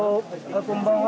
こんばんは。